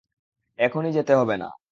এখনই যেতে হবে না।